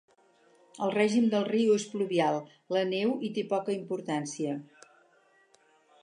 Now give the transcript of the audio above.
El règim del riu és pluvial, la neu hi té poca importància.